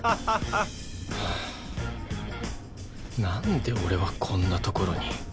なんで俺はこんなところに。